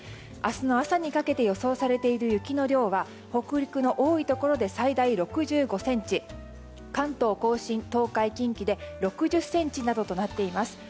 明日の朝にかけて予想されている雪の量は北陸の多いところで６５ｃｍ関東、甲信、東海、近畿で６０ｃｍなどとなっています。